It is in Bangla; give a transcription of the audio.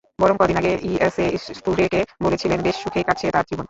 বরং কদিন আগে ইএসএ টুডেকে বলেছিলেন, বেশ সুখেই কাটছে তাঁর জীবন।